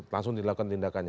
langsung dilakukan tindakannya